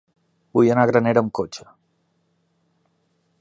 Vull anar a Granera amb cotxe.